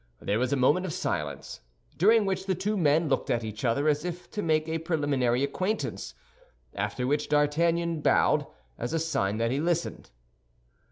There was a moment of silence, during which the two men looked at each other, as if to make a preliminary acquaintance, after which D'Artagnan bowed, as a sign that he listened.